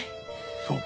そうか。